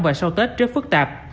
và sau tết rất phức tạp